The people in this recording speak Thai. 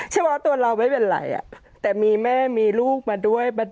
เฉพาะตัวเราไม่เป็นไรแต่มีแม่มีลูกมาด้วย